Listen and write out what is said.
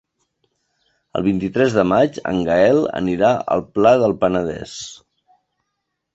El vint-i-tres de maig en Gaël anirà al Pla del Penedès.